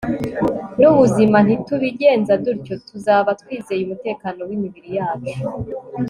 n'ubuzima. nitubigenza dutyo, tuzaba twizeye umutekano w'imibiri yacu